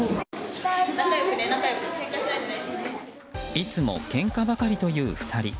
いつもけんかばかりという２人。